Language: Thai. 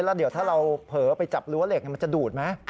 แล้วเดี๋ยวถ้าเราเผลอไปจับรั้วเหล็กมันจะดูดไหม